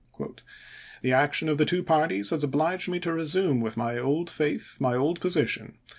"The action of the two parties has obliged me to resume with my old faith my old position